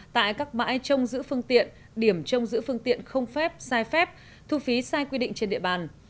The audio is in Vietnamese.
tại các bãi trông giữ phương tiện điểm trông giữ phương tiện không phép sai phép thu phí sai quy định trên địa bàn